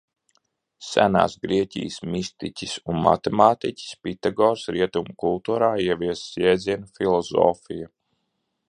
Senās Grieķijas mistiķis un matemātiķis Pitagors rietumu kultūrā ieviesis jēdzienu filozofija.